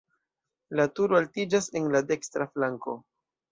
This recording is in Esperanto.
La turo altiĝas en la dekstra flanko.